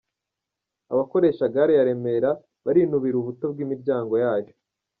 Abakoresha gare ya Remera barinubira ubuto bw’imiryango yayo